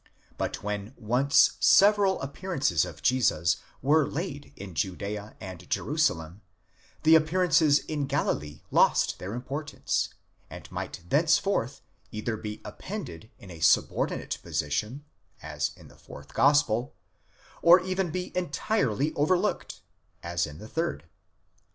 But when once several appearances of Jesus were laid in Judea and Jerusalem, the appearances in Galilee lost their importance, and might thenceforth either be appended in a subordinate position, as in the fourth gospel, or even be entirely overlooked, asin the third.